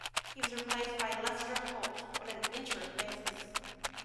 He was replaced by Lester Holt on an interim basis.